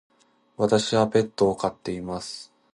私はペットを飼っています。